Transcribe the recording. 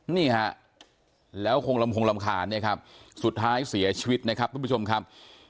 นี่ฮะแล้วคงลำพงรำคาญเนี่ยครับสุดท้ายเสียชีวิตนะครับทุกผู้ชมครับ